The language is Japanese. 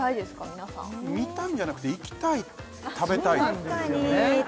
皆さん見たいんじゃなくて行きたい食べたいですよね